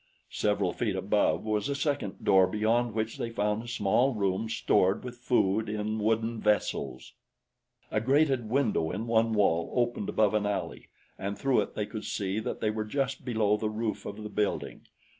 Several feet above was a second door beyond which they found a small room stored with food in wooden vessels. A grated window in one wall opened above an alley, and through it they could see that they were just below the roof of the building.